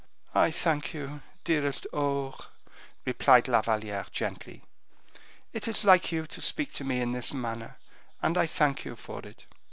'" "I thank you, dearest Aure," replied La Valliere, gently; "it is like you to speak to me in this manner, and I thank you for it."